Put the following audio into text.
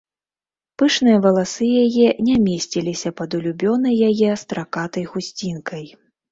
Пышныя валасы яе не месціліся пад улюбёнай яе стракатай хусцінкай.